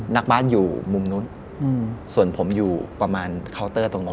นักบ้านอยู่มุมนู้นส่วนผมอยู่ประมาณเคาน์เตอร์ตรงนู้น